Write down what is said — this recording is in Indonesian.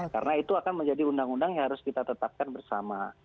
karena itu akan menjadi undang undang yang harus kita tetapkan bersama